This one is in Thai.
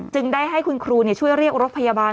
ได้ให้คุณครูช่วยเรียกรถพยาบาล